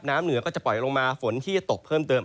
เหนือก็จะปล่อยลงมาฝนที่จะตกเพิ่มเติม